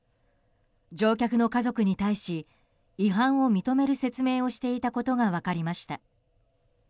乗客の家族に対し違反を認める説明をしていたことが分かりました。